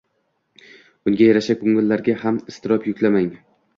Unga yarasha koʻngillariga ham iztirob yuklamang!